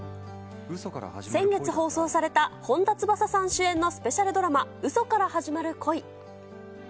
先月放送された本田翼さん主演のスペシャルドラマ、嘘から始まる恋。